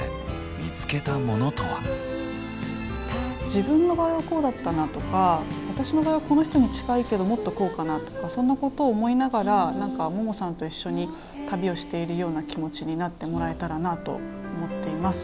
自分の場合はこうだったなとか私の場合はこの人に近いけどもっとこうかなとかそんなことを思いながら何かももさんと一緒に旅をしているような気持ちになってもらえたらなと思っています。